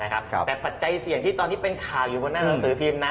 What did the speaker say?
แต่ปัจจัยเสี่ยงที่ตอนนี้เป็นข่าวอยู่บนหน้าหนังสือพิมพ์นะ